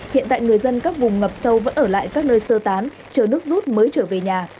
hiện tại người dân các vùng ngập sâu vẫn ở lại các nơi sơ tán chờ nước rút mới trở về nhà